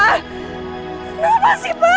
kenapa sih pa